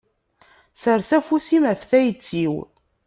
Sers afus-im ɣef tayet-iw.